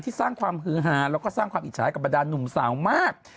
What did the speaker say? สร้างความฮือหาแล้วก็สร้างความอิจฉากับบรรดานหนุ่มสาวมาก